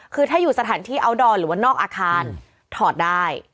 คือถ้าอยู่สถานที่อัลดอร์หรือว่านอกอาคารถอดได้